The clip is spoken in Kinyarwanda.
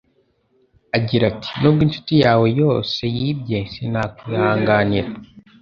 Agira ati 'Nubwo inshuti yawe yose yibye, sinakwihanganira.